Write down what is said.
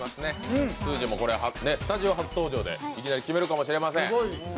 すーじーもスタジオ初登場でいきなり決めるかもしれません。